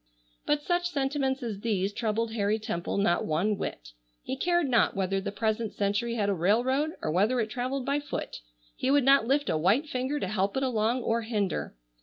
'" But such sentiments as these troubled Harry Temple not one whit. He cared not whether the present century had a railroad or whether it travelled by foot. He would not lift a white finger to help it along or hinder.